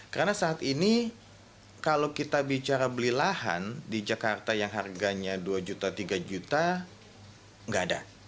karena saat ini kalau kita bicara beli lahan di jakarta yang harganya dua juta tiga juta nggak ada